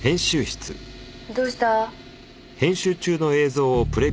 どうした？